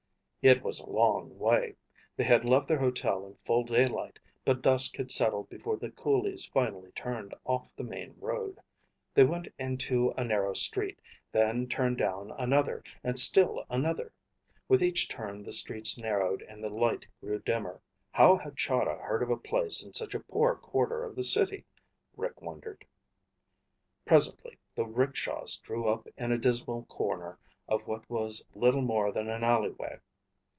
It was a long way. They had left their hotel in full daylight, but dusk had settled before the coolies finally turned off the main road. They went into a narrow street, then turned down another and still another. With each turn the streets narrowed and the light grew dimmer. How had Chahda heard of a place in such a poor quarter of the city? Rick wondered. Presently the rickshaws drew up in a dismal corner of what was little more than an alleyway.